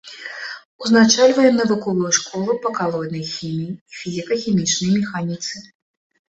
Узначальвае навуковую школу па калоіднай хіміі і фізіка-хімічнай механіцы.